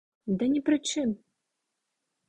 Ды ні пры чым.